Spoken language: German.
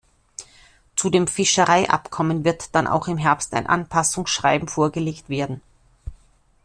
Zu dem Fischereiabkommen wird dann auch im Herbst ein Anpassungsschreiben vorgelegt werden.